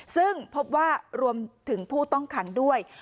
ซึ่งพบว่ารวมถึงผู้ต้องขังด้วย